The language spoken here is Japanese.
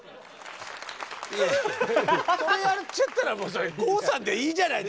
いやいやそれやっちゃったらもう郷さんでいいじゃないですか。